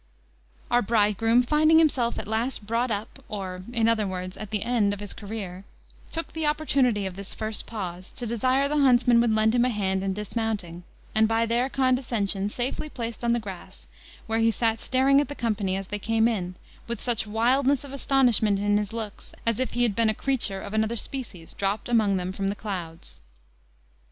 Our bridegroom, finding himself at last brought up, or, in other words, at the end of his career, took the opportunity of this first pause, to desire the huntsmen would lend him a hand in dismounting; and by their condescension, safely placed on the grass, where he sat staring at the company as they came in, with such wildness of astonishment in his looks, as if he had been a creature of another species, dropped among them from the clouds.